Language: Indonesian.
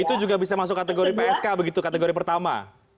itu juga bisa masuk kategori psk begitu kategori pertama